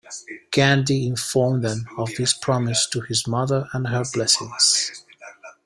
Gandhi informed them of his promise to his mother and her blessings.